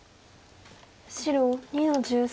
白２の十三。